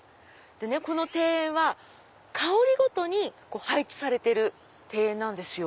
この庭園は香りごとに配置されてるんですよ。